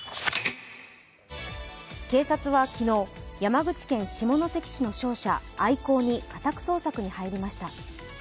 警察は昨日、山口県下関市の商社アイコーに家宅捜索に入りました。